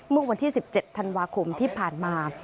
เมื่อวันที่๑๗ธันวาคมที่ผ่านมา